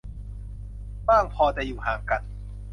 กว้างพอจะอยู่ห่างกัน